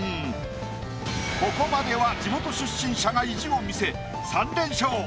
ここまでは地元出身者が意地を見せ３連勝。